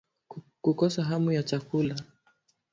Kukosa hamu ya chakula